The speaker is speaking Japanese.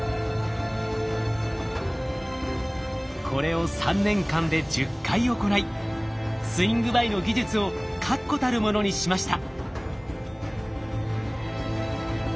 これを３年間で１０回行いスイングバイの技術を確固たるものにしました。